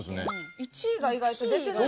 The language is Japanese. １位が意外と出てない。